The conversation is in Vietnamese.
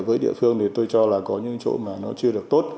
với địa phương thì tôi cho là có những chỗ mà nó chưa được tốt